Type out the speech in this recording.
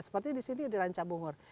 seperti di sini ada ranca bungur